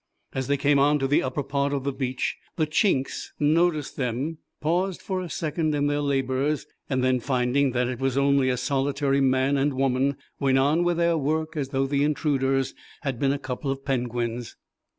As they came on to the upper part of the beach the "Chinks" noticed them, paused for a second in their labours and then, finding that it was only a solitary man and woman, went on with their work as though the intruders had been a couple of penguins.